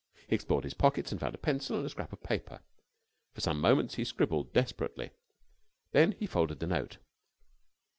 He explored his pockets and found a pencil and a scrap of paper. For some moments he scribbled desperately. Then he folded the note.